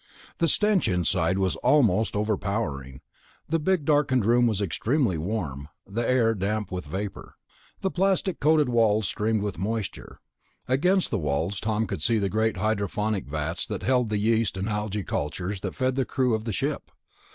The stench inside was almost overpowering. The big, darkened room was extremely warm, the air damp with vapor. The plastic coated walls streamed with moisture. Against the walls Tom could see the great hydroponic vats that held the yeast and algae cultures that fed the crew of the ship.